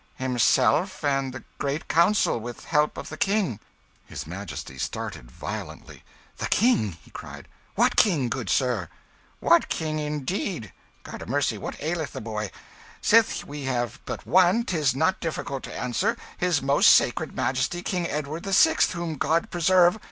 "Himself and the Great Council with help of the King." His Majesty started violently. "The King!" he cried. "What king, good sir?" "What king, indeed! (God a mercy, what aileth the boy?) Sith we have but one, 'tis not difficult to answer his most sacred Majesty King Edward the Sixth whom God preserve!